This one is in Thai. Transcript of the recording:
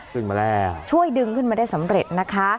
ขึ้นมาแล้วช่วยดึงขึ้นมาได้สำเร็จนะคะ